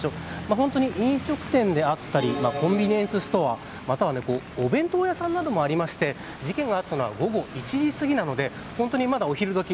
本当に飲食店であったりコンビニエンスストアまたはお弁当屋さんなどもありまして事件があったのは午後１時すぎなので本当にまだお昼どき